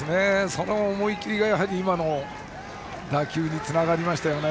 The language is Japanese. その思い切りが今の打球につながりましたよね。